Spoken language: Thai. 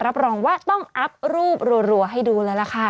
รับรองว่าต้องอัพรูปรัวให้ดูแล้วล่ะค่ะ